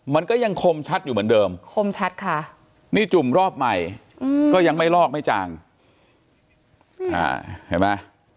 มันก็ยังคมชัดอยู่เหมือนเดิมคมชัดค่ะนี่จุ่มรอบใหม่ก็ยังไม่ลอกไม่จางเห็นไหม